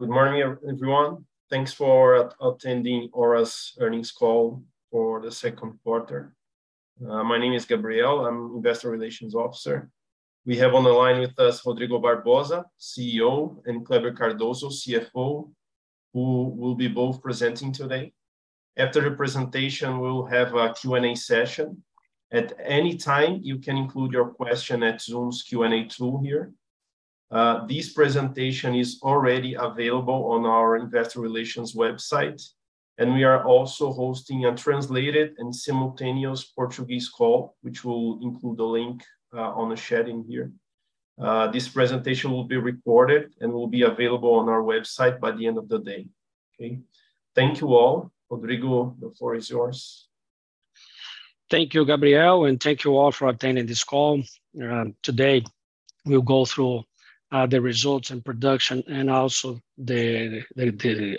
Good morning, everyone. Thanks for attending Aura's Earnings Call for the second quarter. My name is Gabriel. I'm investor relations officer. We have on the line with us Rodrigo Barbosa, CEO, and Kleber Cardoso, CFO who will be both presenting today. After the presentation, we'll have a Q&A session. At any time, you can include your question at Zoom's Q&A tool here. This presentation is already available on our investor relations website, and we are also hosting a translated and simultaneous Portuguese call, which will include the link on the sharing here. This presentation will be recorded and will be available on our website by the end of the day. Okay. Thank you all. Rodrigo, the floor is yours. Thank you, Gabriel, and thank you all for attending this call. Today we'll go through the results and production and also the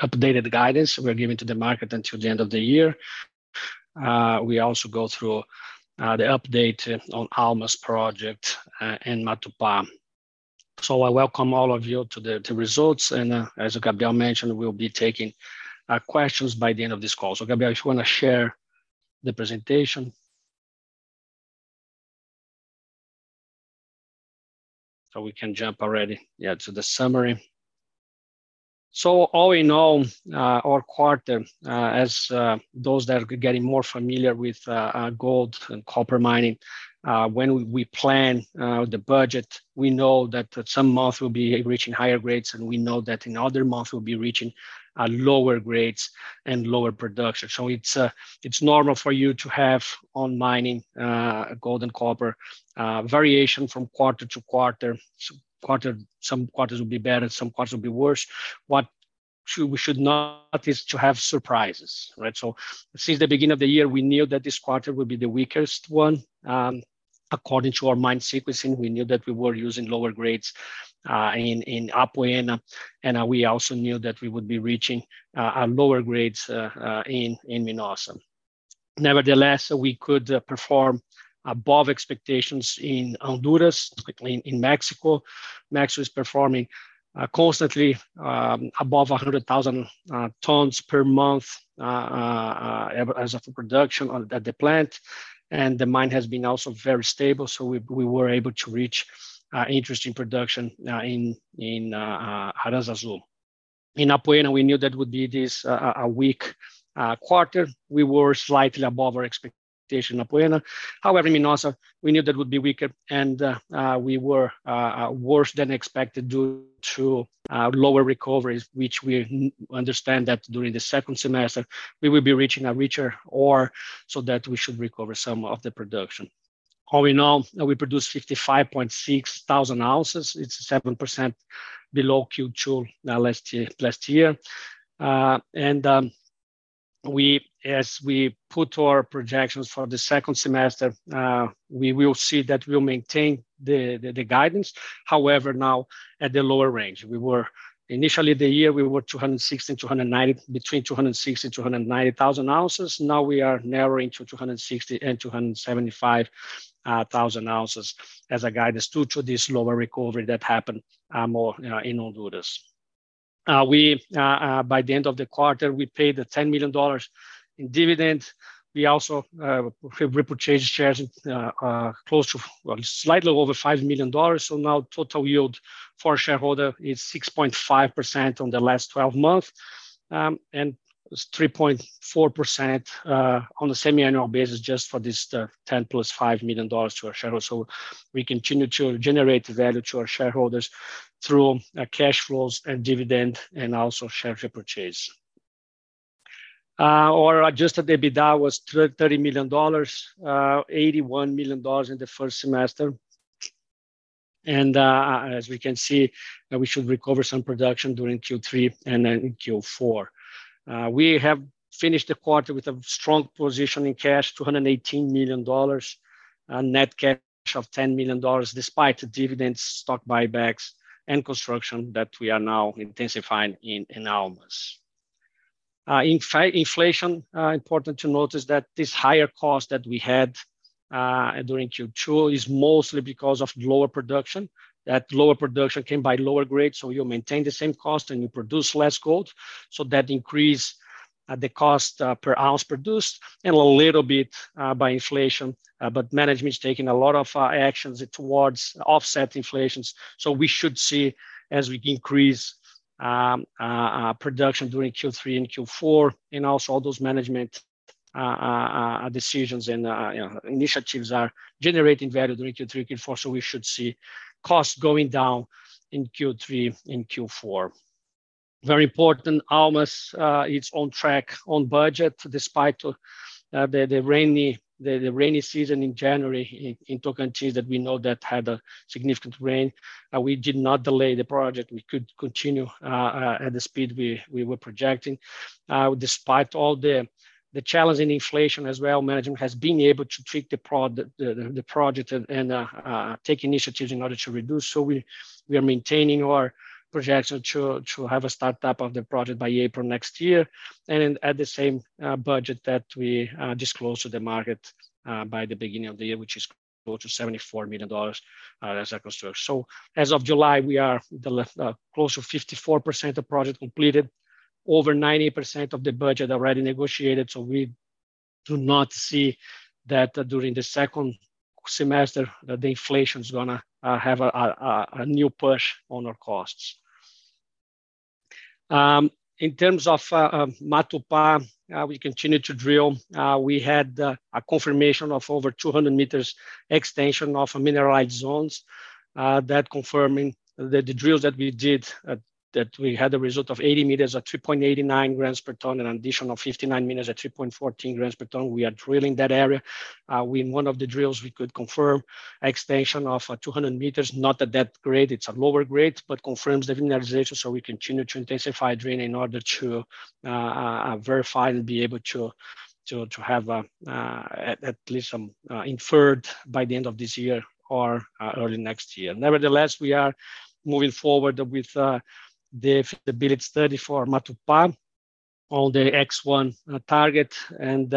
updated guidance we are giving to the market until the end of the year. We also go through the update on Almas project in Matupá. I welcome all of you to the results. As Gabriel mentioned, we'll be taking questions by the end of this call. Gabriel, if you want to share the presentation. We can jump already to the summary. All in all, our quarter, as those that are getting more familiar with gold and copper mining, when we plan the budget, we know that some months we'll be reaching higher grades, and we know that in other months we'll be reaching lower grades, and lower production. It's normal for you to have on mining gold and copper variation from quarter-to-quarter. Some quarters will be better and some quarters will be worse. We should not have surprises, right? Since the beginning of the year, we knew that this quarter would be the weakest one. According to our mine sequencing, we knew that we were using lower grades in Apoena. We also knew that we would be reaching lower grades in Minosa. Nevertheless, we could perform above expectations in Honduras, specifically in Mexico. Mexico is performing constantly above 100,000 tons per month as far as production at the plant, and the mine has been also very stable, so we were able to reach interesting production in Aranzazú. In Apoena, we knew that would be this, a weak quarter. We were slightly above our expectation in Apoena. However, in Minosa, we knew that would be weaker and we were worse than expected due to lower recoveries, which we understand that during the second semester we will be reaching a richer ore so that we should recover some of the production. All in all, we produced 55,600 ounces. It's 7% below Q2 last year. As we put our projections for the second semester, we will see that we'll maintain the guidance. However, now at the lower range. Initially the year, we were between 260,000 and 290,000 ounces. Now we are narrowing to 260,000 and 275,000 ounces as a guidance due to this lower recovery that happened more, you know, in Honduras. By the end of the quarter, we paid the $10 million in dividends. We also have repurchased shares close to, well, slightly over $5 million. Now total yield for a shareholder is 6.5% on the last 12 months and 3.4% on a semi-annual basis just for this $10 million plus $5 million to our shareholders. We continue to generate value to our shareholders through cash flows and dividend and also share repurchase. Our adjusted EBITDA was $30 million, $81 million in the first semester. As we can see, we should recover some production during Q3 and then in Q4. We have finished the quarter with a strong position in cash, $218 million, a net cash of $10 million despite the dividends, stock buybacks and construction that we are now intensifying in Almas. Inflation, important to note is that this higher cost that we had during Q2 is mostly because of lower production. That lower production came by lower grades, so you maintain the same cost and you produce less gold. That increased the cost per ounce produced and a little bit by inflation. Management's taking a lot of actions towards offset inflation. We should see as we increase production during Q3 and Q4 and also all those management decisions and, you know, initiatives are generating value during Q3, Q4. We should see costs going down in Q3 and Q4. Very important, Almas, it's on track, on budget, despite the rainy season in January in Tocantins that we know that had a significant rain. We did not delay the project. We could continue at the speed we were projecting. Despite all the challenging inflation as well, management has been able to treat the project and take initiatives in order to reduce. We are maintaining our projection to have a startup of the project by April next year and at the same budget that we disclosed to the market by the beginning of the year, which is close to $74 million as a construct. As of July, we are close to 54% of project completed. Over 90% of the budget already negotiated so we do not see that during the second semester that the inflation is going to have a new push on our costs. In terms of Matupá, we continue to drill. We had a confirmation of over 200 m extension of mineralized zones, that confirming that the drills that we did, that we had a result of 80 m at 2.89 gm per ton and an additional 59 m at 3.14 gm per ton. We are drilling that area. In one of the drills, we could confirm extension of 200 m, not at that grade, it's a lower grade, but confirms the mineralization, so we continue to intensify drilling in order to verify and be able to have at least some inferred by the end of this year or early next year. Nevertheless, we are moving forward with the feasibility study for Matupá on the X1 target and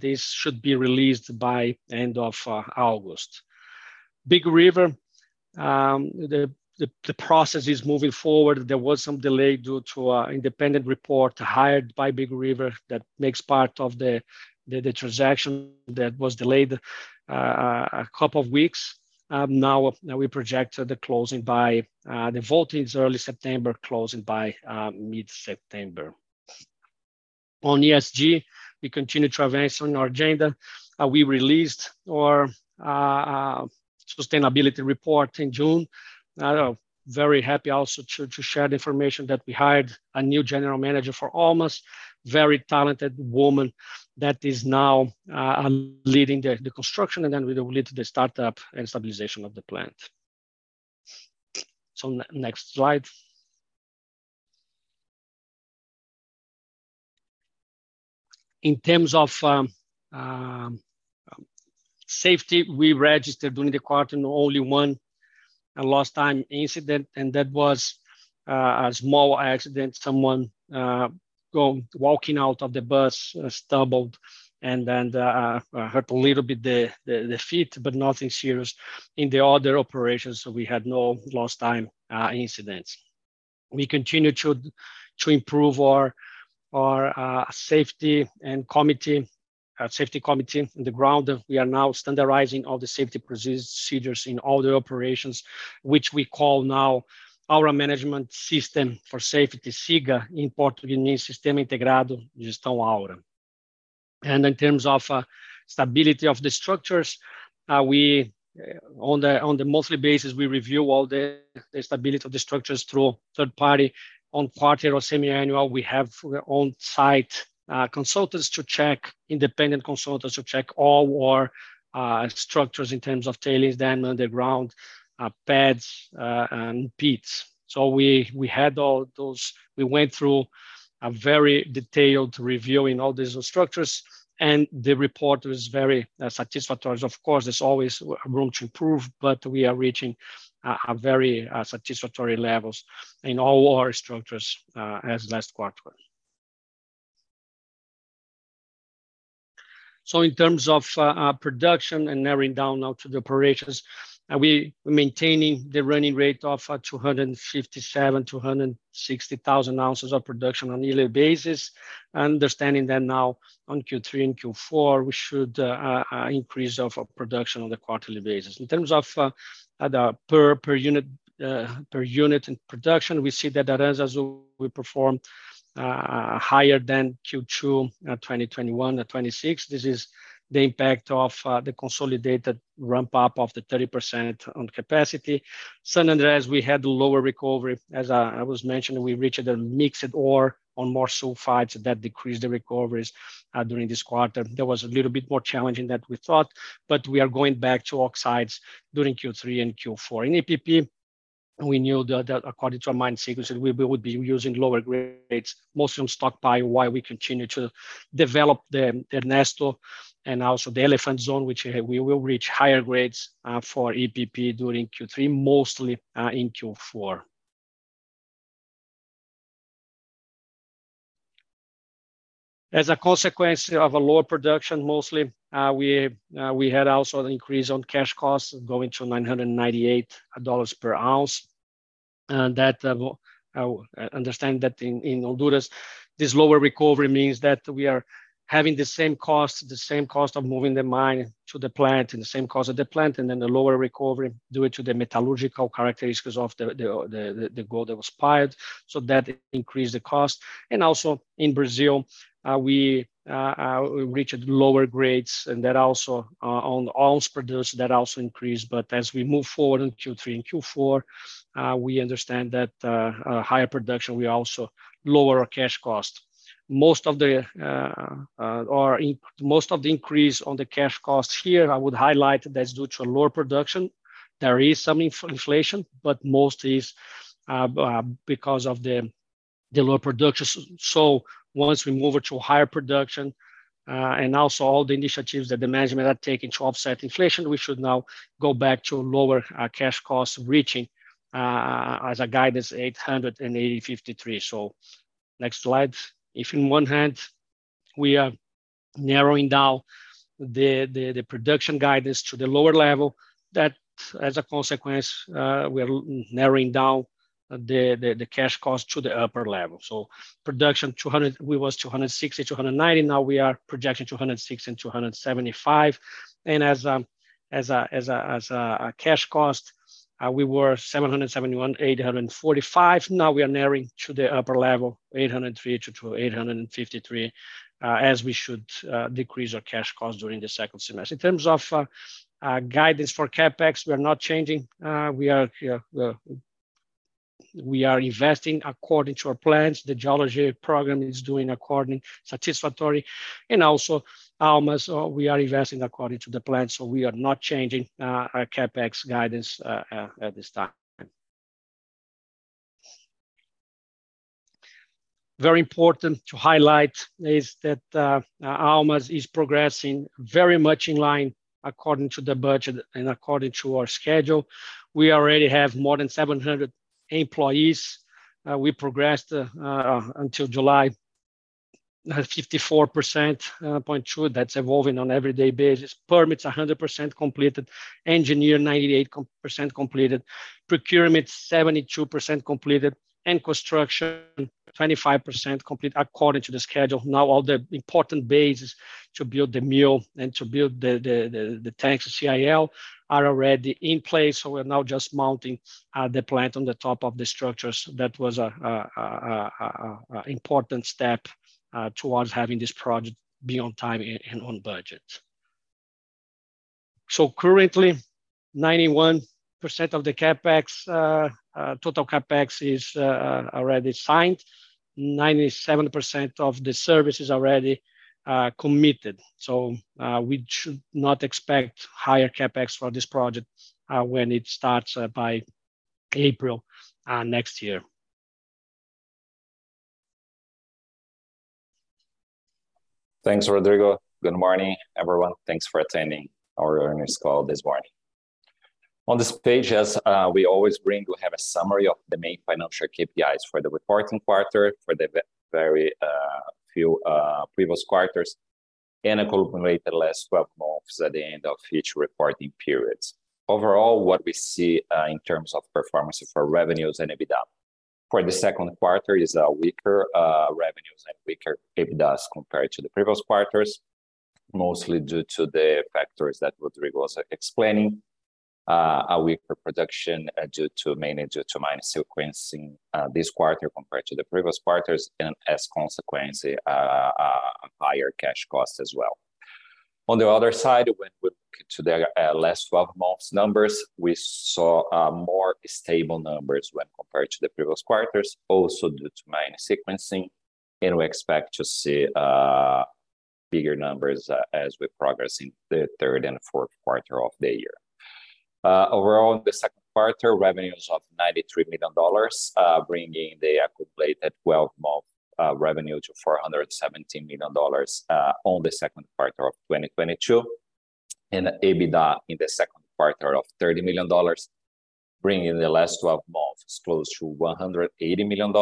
this should be released by end of August. Big River, the process is moving forward. There was some delay due to an independent report hired by Big River that makes part of the transaction that was delayed a couple of weeks. Now, we project the closing by the vote is early September, closing by mid-September. On ESG, we continue to advance on our agenda. We released our sustainability report in June, very happy also to share the information that we hired a new general manager for Almas, a very talented woman that is now leading the construction, and then will lead the startup and stabilization of the plant. Next slide. In terms of safety, we registered during the quarter only one lost time incident and that was a small accident. Someone walking out of the bus stumbled, and then hurt a little bit the feet, but nothing serious. In the other operations, we had no lost time incidents. We continue to improve our safety committee on the ground. We are now standardizing all the safety procedures in all the operations, which we call now Aura Management System for Safety, SIGA. In Portuguese, Sistema Integrado de Gestão Aura. In terms of stability of the structures, on the monthly basis, we review all the stability of the structures through a third party. On quarter or semiannual, we have our on-site consultants to check, independent consultants to check all of our structures in terms of tailings, dam, underground, pads, and pits. We had all those. We went through a very detailed review in all these structures, and the report was very satisfactory. Of course, there's always room to improve, but we are reaching a very satisfactory levels in all our structures as last quarter. In terms of our production and narrowing down now to the operations, we maintaining the running rate of 257,000 ounces-260,000 ounces of production on a yearly basis. Understanding that now on Q3 and Q4, we should increase of production on the quarterly basis. In terms of per unit in production, we see that Aranzazú will perform higher than Q2 2021-2026. This is the impact of the consolidated ramp-up of the 30% on capacity. San Andrés, we had lower recovery. As I was mentioning, we reached a mixed ore on more sulfides that decreased the recoveries during this quarter. That was a little bit more challenging than we thought but we are going back to oxides during Q3 and Q4. In EPP, we knew that according to our mine sequence, we would be using lower grades, mostly on stockpile, while we continue to develop the Ernesto and also the Elephant Zone, which we will reach higher grades for EPP during Q3, mostly in Q4. As a consequence of a lower production mostly, we had also an increase in cash costs going to $998 per ounce. Understand that in Honduras, this lower recovery means that we are having the same cost of moving the mine to the plant and the same cost of the plant, and then the lower recovery due to the metallurgical characteristics of the gold that was piled. That increased the cost. Also in Brazil, we reached lower grades and that also on the per ounce produced, that also increased. As we move forward in Q3 and Q4, we understand that higher production will also lower our cash cost. Most of the increase on the cash cost here, I would highlight that's due to lower production. There is some inflation but most is because of the lower production. Once we move it to higher production, and also all the initiatives that the management are taking to offset inflation, we should now go back to lower cash costs reaching as a guidance $880 and $1,053. Next slide. If on one hand we are narrowing down the production guidance to the lower level that as a consequence, we are narrowing down the cash cost to the upper level so production 200. We was 260-290. Now we are projecting 260 and 275. As a cash cost, we were $771-$845. Now we are narrowing to the upper level, $803 to $853, as we should decrease our cash costs during the second semester. In terms of guidance for CapEx, we are not changing. We are investing according to our plans. The geology program is doing satisfactorily and also Almas, we are investing according to the plan. We are not changing our CapEx guidance at this time. Very important to highlight is that Almas is progressing very much in line according to the budget and according to our schedule. We already have more than 700 employees. We progressed until July, 54.2%, that's evolving on an everyday basis. Permits 100% completed, engineering 98% completed, procurement 72% completed, and construction 25% complete according to the schedule. Now all the important bases to build the mill and to build the tanks, the CIL are already in place, so we're now just mounting the plant on the top of the structures. That was an important step towards having this project be on time and on budget. Currently 91% of the CapEx, total CapEx is already signed, 97% of the service is already committed. We should not expect higher CapEx for this project when it starts by April next year. Thanks, Rodrigo. Good morning, everyone. Thanks for attending our earnings call this morning. On this page, as we always bring, we have a summary of the main financial KPIs for the reporting quarter for the very few previous quarters, and accumulated last 12 months at the end of each reporting periods. Overall, what we see in terms of performance for revenues and EBITDA. For the second quarter is a weaker revenues and weaker EBITDAs compared to the previous quarters, mostly due to the factors that Rodrigo was explaining, a weaker production mainly due to mine sequencing this quarter compared to the previous quarters and as a consequence, a higher cash cost as well. On the other side, when we look at the last 12 months numbers, we saw more stable numbers when compared to the previous quarters, also due to mine sequencing. We expect to see bigger numbers as we progress in the third and the fourth quarter of the year. Overall, in the second quarter, revenues of $93 million, bringing the accumulated 12 month revenue to $417 million on the second quarter of 2022. EBITDA in the second quarter of $30 million, bringing in the last 12 months close to $180 million.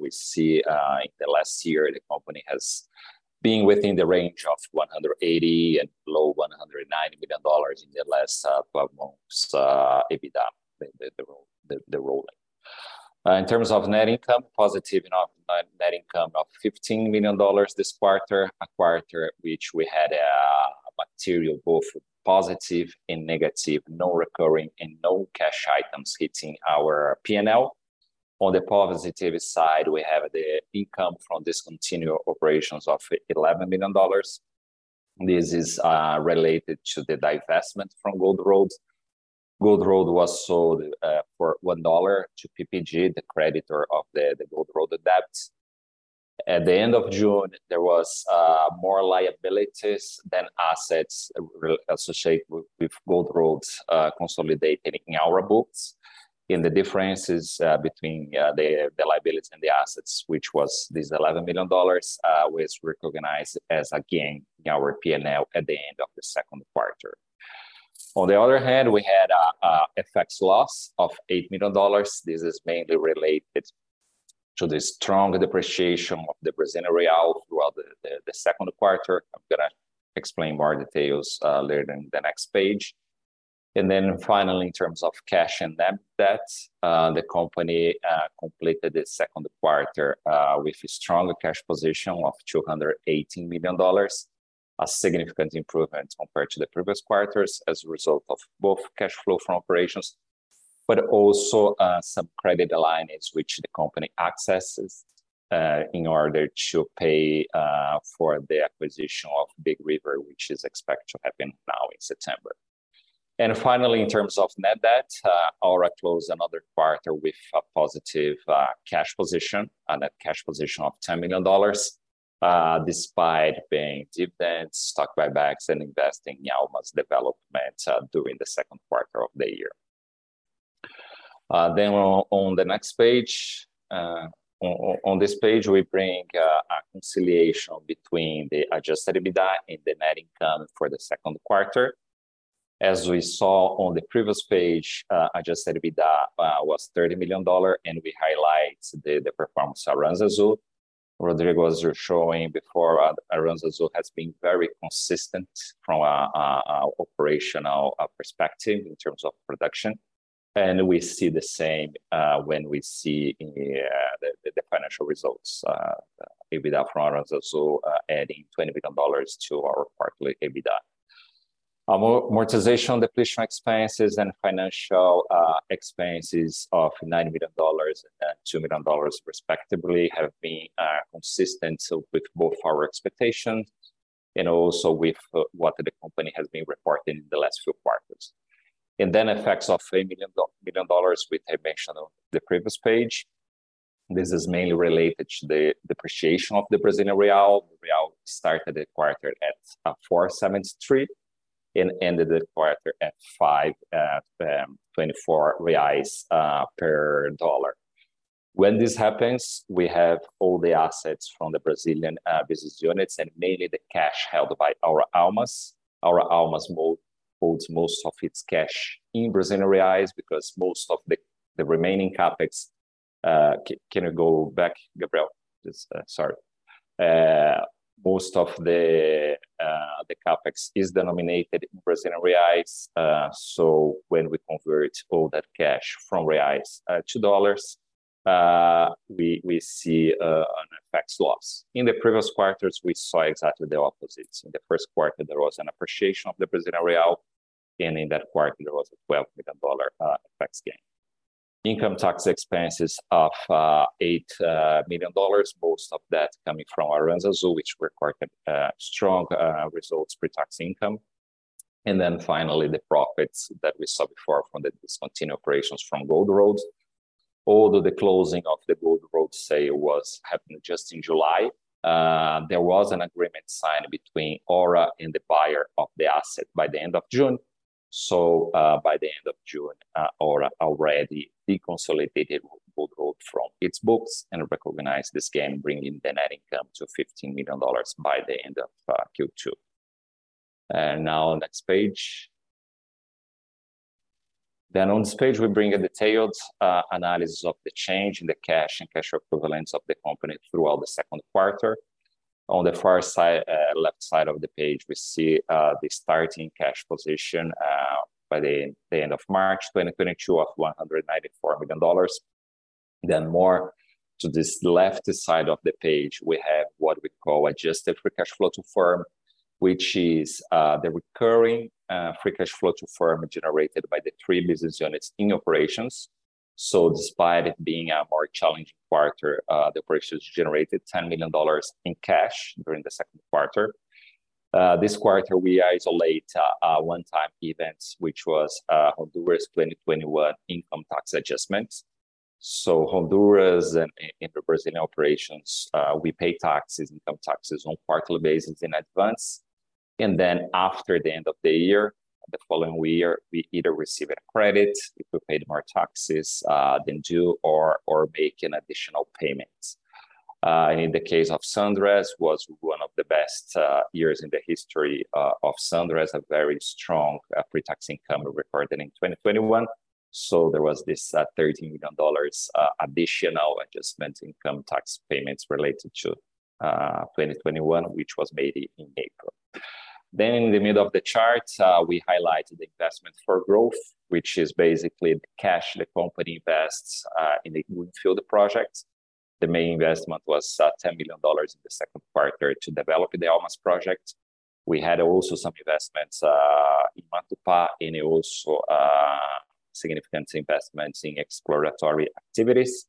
We see in the last year, the company has been within the range of $180 million and low $190 million in the last 12 months, EBITDA, the rolling. In terms of net income, positive net income of $15 million this quarter. A quarter at which we had a material both positive and negative, non-recurring and non-cash items hitting our P&L. On the positive side, we have the income from discontinued operations of $11 million. This is related to the divestment from Gold Road. Gold Road was sold for $1 to PPG, the creditor of the Gold Road debt. At the end of June, there was more liabilities than assets associated with Gold Road consolidating our books. The differences between the liability and the assets, which was this $11 million was recognized as a gain in our P&L at the end of the second quarter. On the other hand, we had a FX loss of $8 million. This is mainly related to the strong depreciation of the Brazilian Real throughout the second quarter. I'm going to explain more details later in the next page. Then finally, in terms of cash and net debt, the company completed the second quarter with a strong cash position of $280 million, a significant improvement compared to the previous quarters as a result of both cash flow from operations, but also some credit alignments which the company accesses in order to pay for the acquisition of Big River, which is expected to happen now in September. Finally, in terms of net debt, Aura closed another quarter with a positive cash position, a net cash position of $10 million despite paying dividends, stock buybacks, and investing in Almas development during the second quarter of the year. Then on the next page, on this page, we bring a reconciliation between the adjusted EBITDA and the net income for the second quarter. As we saw on the previous page, adjusted EBITDA was $30 million, and we highlight the performance at Aranzazú. Rodrigo was showing before Aranzazú has been very consistent from a operational perspective in terms of production. We see the same when we see in the financial results, EBITDA from Aranzazú adding $20 million to our quarterly EBITDA. Amortization and depletion expenses and financial expenses of $9 million and then $2 million respectively have been consistent with both our expectations and also with what the company has been reporting in the last few quarters. Effects of $8 million dollars which I mentioned on the previous page. This is mainly related to the depreciation of the Brazilian real. The real started the quarter at 4.73 and ended the quarter at 5.24 reais per dollar. When this happens, we have all the assets from the Brazilian business units and mainly the cash held by Aura Almas. Aura Almas holds most of its cash in Brazilian Reais because most of the remaining CapEx. Can you go back, Gabriel? Just sorry. Most of the CapEx is denominated in Brazilian Reais. So when we convert all that cash from reais to dollars, we see an FX loss. In the previous quarters, we saw exactly the opposite. In the first quarter, there was an appreciation of the Brazilian Real and in that quarter there was a $12 million FX gain. Income tax expenses of $8 million, most of that coming from Aranzazú, which recorded strong results pre-tax income. Finally, the profits that we saw before from the discontinued operations from Gold Road. Although the closing of the Gold Road sale was happening just in July, there was an agreement signed between Aura and the buyer of the asset by the end of June. By the end of June, Aura already deconsolidated Gold Road from its books and recognized this gain, bringing the net income to $15 million by the end of Q2. Now next page. On this page we bring a detailed analysis of the change in the cash and cash equivalents of the company throughout the second quarter. On the far left side of the page, we see the starting cash position by the end of March 2022 of $194 million. Moving to this left side of the page, we have what we call adjusted free cash flow to firm, which is the recurring free cash flow to firm generated by the three business units in operations. Despite it being a more challenging quarter, the operations generated $10 million in cash during the second quarter. This quarter we isolate one-time events, which was Honduras' 2021 income tax adjustment. Honduras and in the Brazilian operations, we pay taxes, income taxes on quarterly basis in advance. Then after the end of the year, the following year, we either receive a credit if we paid more taxes than due or make an additional payment. In the case of San Andrés was one of the best years in the history of San Andrés, a very strong pre-tax income we recorded in 2021. There was this $13 million additional adjustment income tax payments related to 2021, which was made in April. Then in the middle of the chart, we highlighted the investment for growth, which is basically the cash the company invests in the greenfield projects. The main investment was $10 million in the second quarter to develop the Almas project. We had also some investments in Matupá and also significant investments in exploratory activities,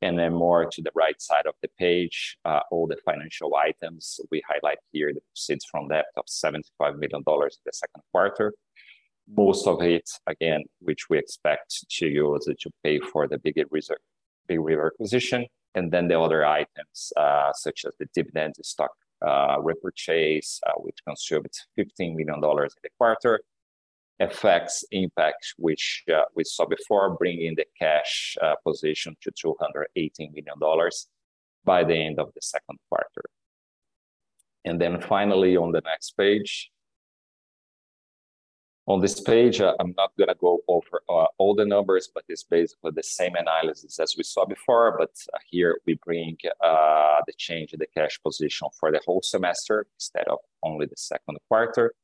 and more to the right side of the page, all the financial items we highlight here, the proceeds from that of $75 million in the second quarter. Most of it, again, which we expect to use it to pay for the Big River acquisition. The other items, such as the dividends, the stock repurchase, which consumed $15 million in the quarter. FX impact, which we saw before, bringing the cash position to $218 million by the end of the second quarter. Finally on the next page. On this page, I'm not going to go over all the numbers but it's basically the same analysis as we saw before. Here we bring the change in the cash position for the whole semester instead of only the second quarter.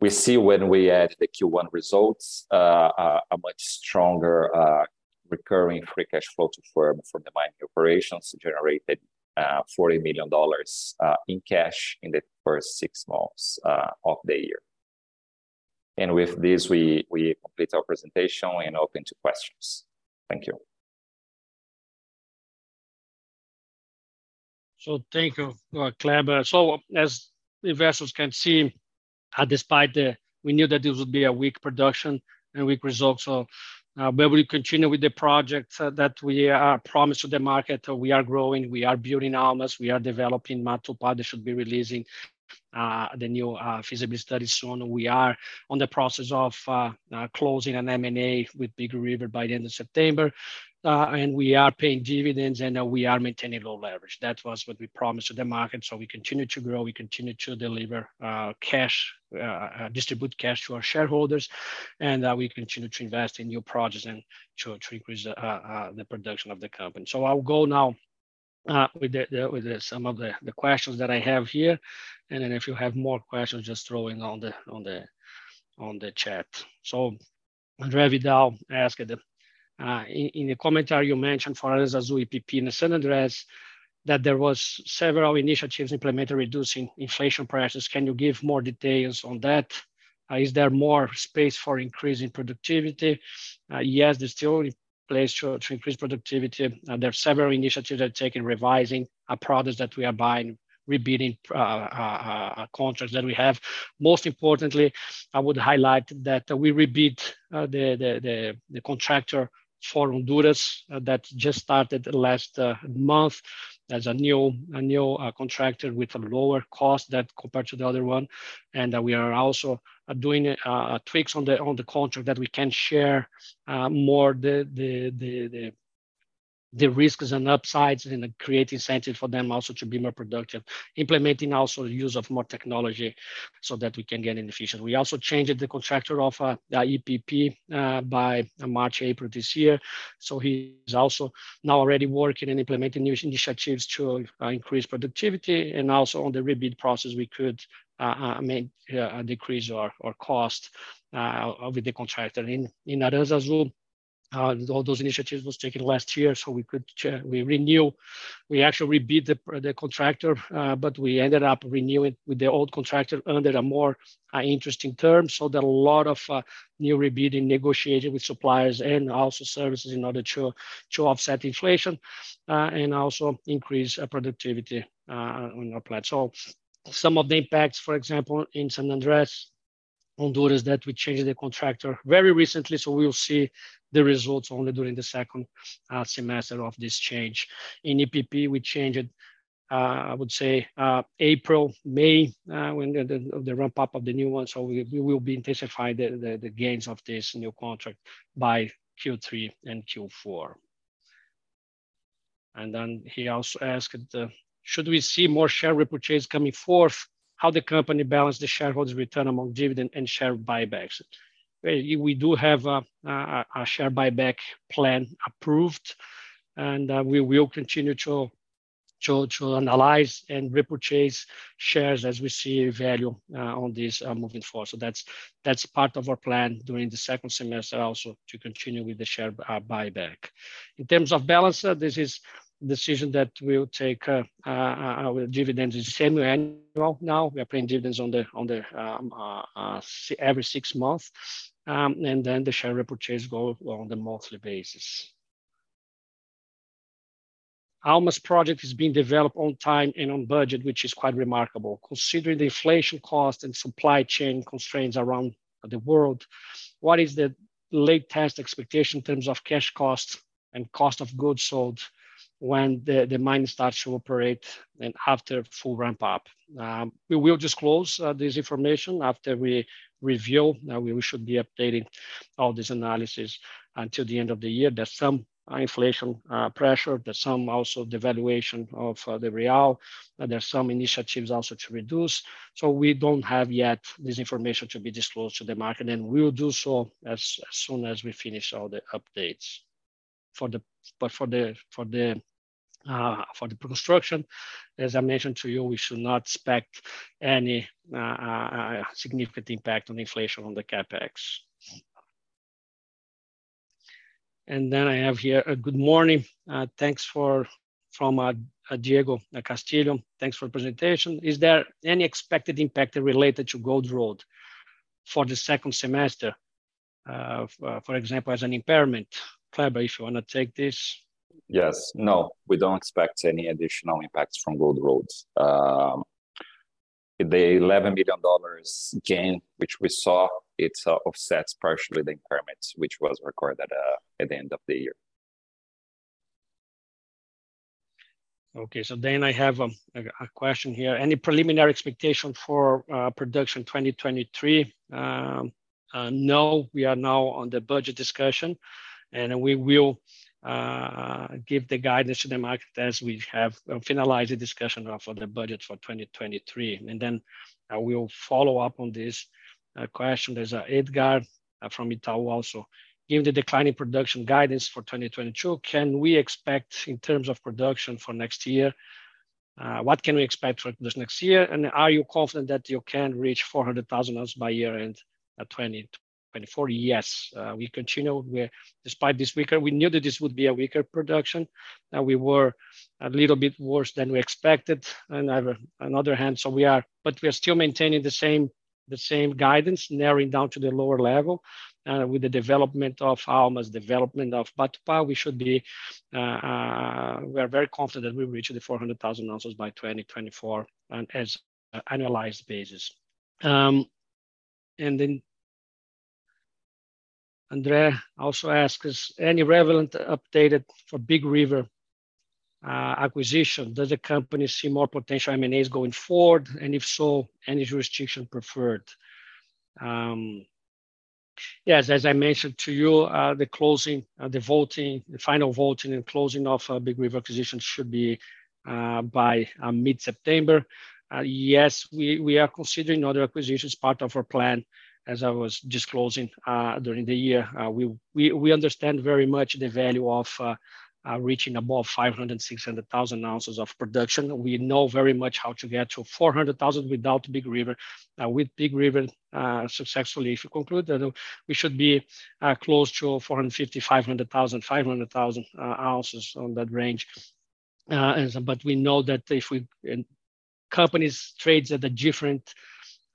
We see when we add the Q1 results, a much stronger recurring Free Cash Flow to Firm from the mining operations generated $40 million in cash in the first six months of the year. With this, we complete our presentation and open to questions. Thank you. Thank you, Kleber. As investors can see, despite, we knew that this would be a weak production and weak results, but we continue with the project that we promised the market. We are growing. We are building Almas. We are developing Matupá. They should be releasing the new feasibility study soon. We are in the process of closing an M&A with Big River by the end of September. We are paying dividends, and we are maintaining low leverage. That was what we promised the market, so we continue to grow. We continue to distribute cash to our shareholders. We continue to invest in new projects and to increase the production of the company. I'll go now with some of the questions that I have here, and then if you have more questions, just throw in on the chat. André Vidal asked, in a commentary you mentioned Aranzazú, EPP in San Andrés, that there was several initiatives implemented reducing inflation pressures. Can you give more details on that? Is there more space for increase in productivity? Yes, there's still space to increase productivity. There are several initiatives that are taken, revising a product that we are buying, re-bidding contracts that we have. Most importantly, I would highlight that we re-bid the contractor for Honduras that just started last month. There's a new contractor with a lower cost compared to the other one. We are also doing tweaks on the contract that we can share more of the risks and upsides and create incentive for them also to be more productive. Implementing also use of more technology so that we can get efficient. We also changed the contractor of the EPP by March, April this year, so he's also now already working and implementing new initiatives to increase productivity and also on the re-bid process we could decrease our cost with the contractor. In Aranzazú, all those initiatives was taken last year, so we could renew. We actually re-bid the contractor, but we ended up renewing with the old contractor under more interesting terms, so that a lot of new re-bidding negotiated with suppliers and also services in order to offset inflation, and also increase productivity on our plans. Some of the impacts, for example, in San Andrés, Honduras, that we changed the contractor very recently so we will see the results only during the second semester of this change. In EPP, we changed it, I would say, April, May, when the ramp up of the new one, so we will be intensifying the gains of this new contract by Q3 and Q4. Then he also asked, should we see more share repurchases coming forth? How does the company balance the shareholders' return among dividends and share buybacks? Well, we do have a share buyback plan approved, and we will continue to analyze, and repurchase shares as we see value on this moving forward. That's part of our plan during the second semester also to continue with the share buyback. In terms of balance, this is a decision that we'll take, with dividends, it is semi-annual now. We are paying dividends every six months. And then the share repurchase go on the monthly basis. Aura Almas project is being developed on time and on budget, which is quite remarkable considering the inflationary costs and supply chain constraints around the world. What is the latest expectation in terms of cash costs and cost of goods sold when the mine starts to operate and after full ramp up? We will disclose this information after we review. Now we should be updating all this analysis until the end of the year. There's some inflation pressure. There's some devaluation of the real. There's some initiatives to reduce. We don't have yet this information to be disclosed to the market and we will do so as soon as we finish all the updates. For the construction, as I mentioned to you, we should not expect any significant impact on inflation on the CapEx. Then I have here, Good morning, thanks for, from Diego Castillo, thanks for the presentation. Is there any expected impact related to Gold Road for the second semester, for example, as an impairment? Kleber, if you want to take this. Yes. No, we don't expect any additional impacts from Gold Road. The $11 million gain, which we saw, offsets partially the impairments, which was recorded at the end of the year. Okay. Then I have a question here. Any preliminary expectation for production 2023? No. We are now on the budget discussion, and we will give the guidance to the market as we have finalized the discussion for the budget for 2023. Then I will follow up on this question. There's Edgar from Itaú also. Given the decline in production guidance for 2022, can we expect in terms of production for next year, what can we expect for this next year? And are you confident that you can reach 400,000 ounces by year-end 2024?" Yes. We continue, despite this weaker, we knew that this would be a weaker production. We were a little bit worse than we expected on the other hand. We are still maintaining the same guidance, narrowing down to the lower level with the development of Almas, the development of Matupá, we should be. We are very confident we reach 400,000 ounces by 2024 on an annualized basis. Andre Vidal also asks, any relevant update for Big River acquisition? Does the company see more potential M&As going forward, and if so, any jurisdiction preferred? Yes, as I mentioned to you, the final voting and closing of Big River acquisition should be by mid-September. Yes, we are considering other acquisitions, part of our plan as I was disclosing during the year. We understand very much the value of reaching above 500,000 ounces and 600,000 ounces of production. We know very much how to get to 400,000 without Big River. With Big River successfully, if you conclude that we should be close to 450,000 ounces-500,000 ounces on that range. Companies trade at different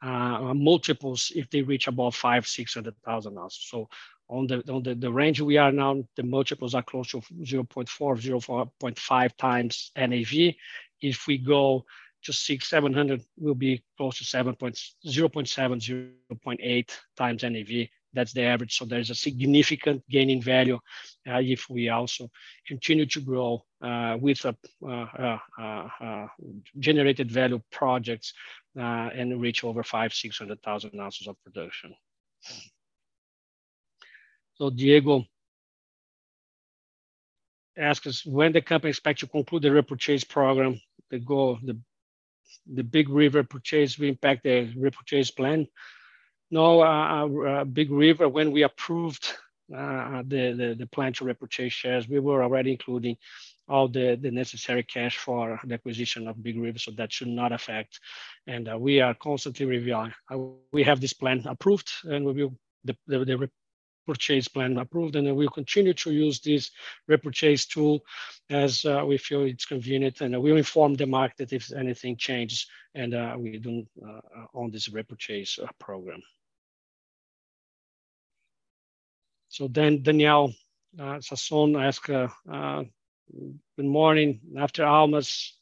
multiples if they reach above 500,000 ounces-600,000 ounces. On the range we are now, the multiples are close to 0.4x-0.45x NAV. If we go to 600,000-700,000 we'll be close to 0.7x-0.8x NAV. That's the average. There's a significant gain in value, if we also continue to grow with the generated value projects, and reach over 500,000 ounces-600,000 ounces of production. Diego asks us, when the company expect to conclude the repurchase program. The Big River purchase will impact the repurchase plan. No, Big River, when we approved the plan to repurchase shares, we were already including all the necessary cash for the acquisition of Big River, so that should not affect. We are constantly reviewing. We have this repurchase plan approved and we'll continue to use this repurchase tool as we feel it's convenient. We'll inform the market if anything changes and we don't on this repurchase program. Daniel Sasson asks, good morning. After Almas,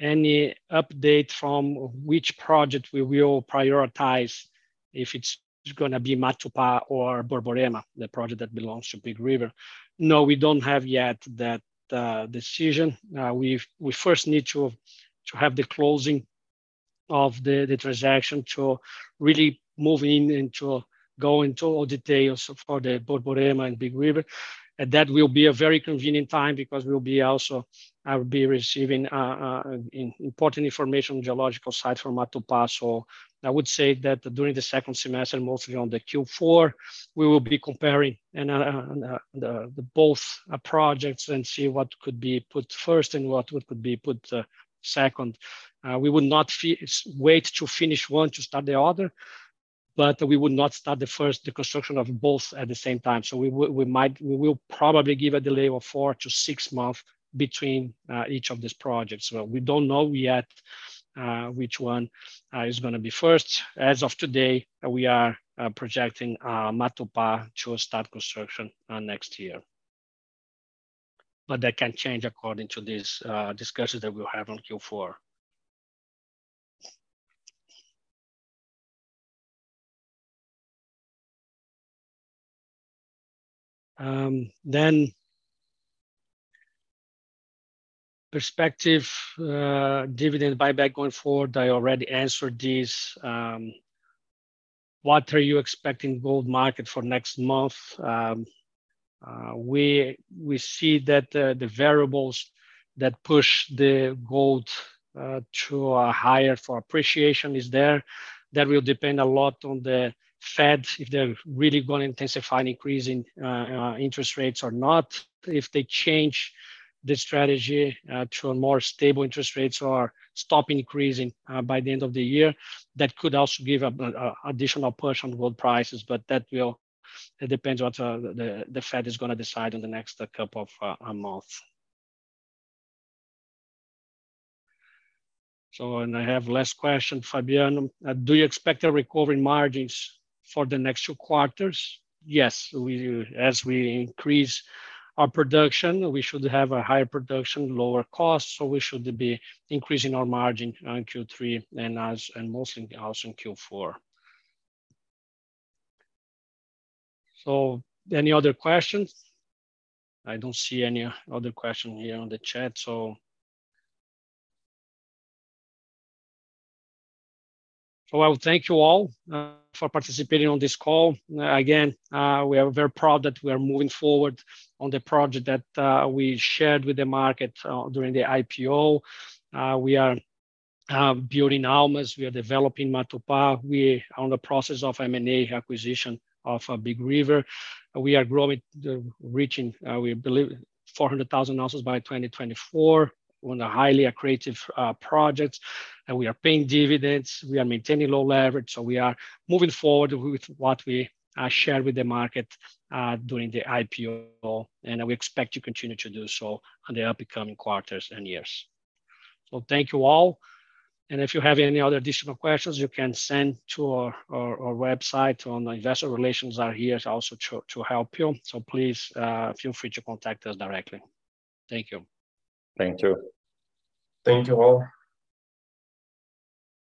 any update from which project we will prioritize if it's going to be Matupá or Borborema, the project that belongs to Big River? No, we don't have yet that decision. We first need to have the closing of the transaction to really move into going to all details for the Borborema and Big River. That will be a very convenient time because we'll be also, I will be receiving important information on geological site from Matupá. I would say that during the second semester, mostly on the Q4, we will be comparing and the both projects and see what could be put first and what could be put second. We would not wait to finish one to start the other, but we would not start the construction of both at the same time. We will probably give a delay of four months to six months between each of these projects. Well, we don't know yet which one is going to be first. As of today, we are projecting Matupá to start construction next year, but that can change according to these discussions that we'll have on Q4. Then perspective dividend buyback going forward, I already answered this. What are you expecting gold market for next month? We see that the variables that push the gold to higher for appreciation is there. That will depend a lot on the Fed, if they're really going to intensify and increase in interest rates or not. If they change the strategy to a more stable interest rates or stop increasing by the end of the year, that could also give a additional push on gold prices. It depends what the Fed is going to decide in the next couple of months. I have last question, Fabian. Do you expect a recovery in margins for the next two quarters? Yes. As we increase our production, we should have a higher production, lower cost, so we should be increasing our margin on Q3 and mostly also in Q4. Any other questions? I don't see any other question here on the chat. Well, thank you all for participating on this call. Again, we are very proud that we are moving forward on the project that we shared with the market during the IPO. We are building Almas, we are developing Matupá, we are in the process of M&A acquisition of Big River. We are growing, reaching we believe 400,000 ounces by 2024 on a highly accretive project. We are paying dividends, we are maintaining low leverage, so we are moving forward with what we shared with the market during the IPO, and we expect to continue to do so in the upcoming quarters and years. Thank you all. If you have any other additional questions, you can send to our website or investor relations are here also to help you. Please, feel free to contact us directly. Thank you. Thank you. Thank you all.